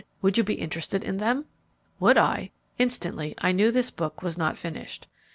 'Would you be interested in them?' Would I? Instantly I knew this book was not finished.